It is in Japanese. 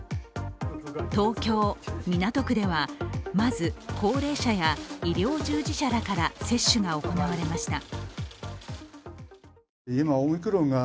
東京・港区では、まず高齢者や医療従事者らから接種が行われました。